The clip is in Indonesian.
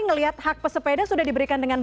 melihat hak pesepeda sudah diberikan dengan